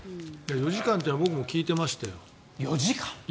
４時間というのは僕も聞いてましたよ。